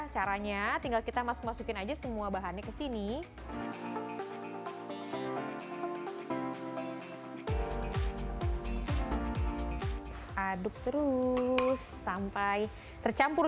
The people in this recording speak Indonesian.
caranya tinggal kita masuk masukin aja semua bahannya ke sini aduk terus sampai tercampur